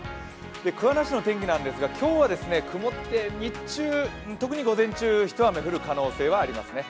桑名市の天気ですが今日は曇って日中、特に午前中一雨降る可能性はありますね。